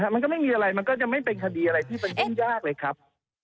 มันก็ไม่มีอะไรมันก็จะไม่เป็นคดีอะไรที่มันยุ่งยากเลยครับ